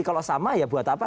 kalau sama ya buat apa